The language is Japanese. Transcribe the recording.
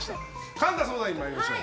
神田相談員、参りましょう。